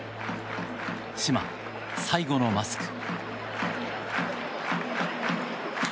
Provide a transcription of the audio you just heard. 嶋、最後のマスク。